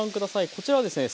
こちらですね